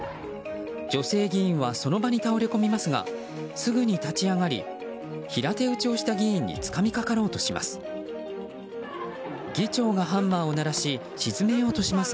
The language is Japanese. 女性議員はその場に倒れこみますがすぐに立ち上がり平手打ちをした議員につかみかかろうとします。